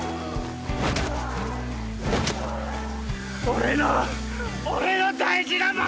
俺の俺の大事な場所。